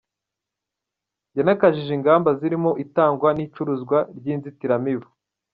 Yanakajije ingamba zirimo itangwa n’icuruzwa ry’inzitiramubu.